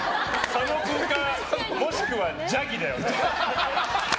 佐野君かもしくはジャギだよね。